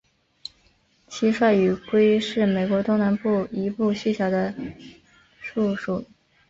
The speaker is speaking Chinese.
蟋蟀雨蛙是美国东南部一种细小的树蟾。